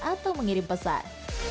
atau mengirim pesan